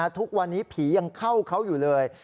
ทุกวันนี้ผียังเข้าเขาอยู่เลย